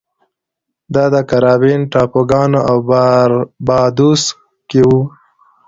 دا د کارابین ټاپوګانو په باربادوس کې و.